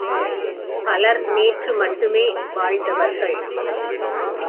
பலர் நேற்று மட்டுமே வாழ்ந்தவர்கள்.